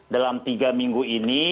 dalam tiga minggu ini